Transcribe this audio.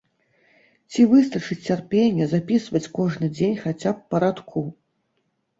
Ці выстачыць цярпення запісваць кожны дзень хаця б па радку?